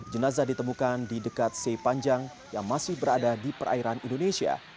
jenazah ditemukan di dekat sei panjang yang masih berada di perairan indonesia